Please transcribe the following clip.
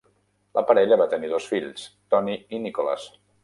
La parella va tenir dos fills, Tony i Nicholas.